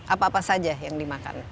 apa apa saja yang dimakan